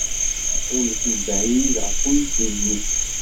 Qqimet mebɛid ɣef uydi-nni.